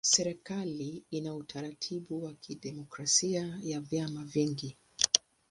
Serikali ina utaratibu wa kidemokrasia ya vyama vingi.